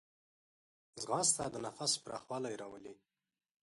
ځغاسته د نفس پراخوالی راولي